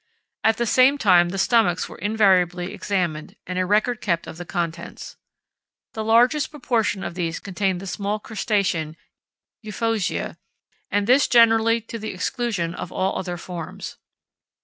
At the same time the stomachs were invariably examined, and a record kept of the contents. The largest proportion of these contained the small crustacean Euphausia, and this generally to the exclusion of other forms.